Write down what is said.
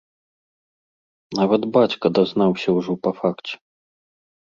Нават бацька дазнаўся ўжо па факце.